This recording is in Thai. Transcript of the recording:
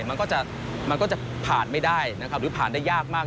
มันก็จะผ่านไม่ได้หรือผ่านได้ยากมาก